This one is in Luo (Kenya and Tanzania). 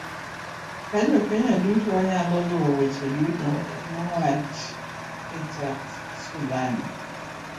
Ka Jo Kenya duto wanyalo luwo weche duto mowach e chak sulani